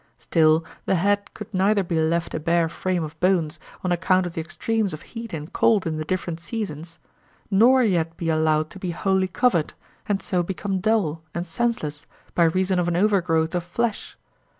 Still the head could neither be left a bare frame of bones, on account of the extremes of heat and cold in the different seasons, nor yet be allowed to be wholly covered, and so become dull and senseless by reason of an overgrowth of flesh.